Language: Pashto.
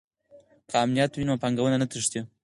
که امنیت وي نو پانګونه نه تښتي.